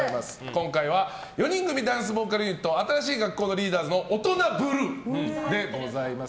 今回は４人組ダンスボーカルユニット新しい学校のリーダーズの「オトナブルー」でございます。